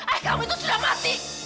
ayahmu itu sudah mati